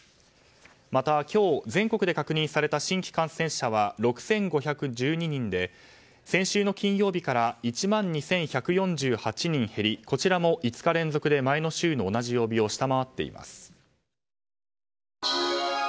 また今日、全国で確認された新規感染者は６５１２人で先週の金曜日から１万２１４８人減りこちらも５日連続で前の週の同じ曜日を下回っています。